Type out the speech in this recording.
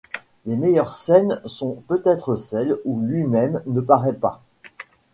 Les meilleures scènes sont peut-être celles où lui-même ne paraît pas.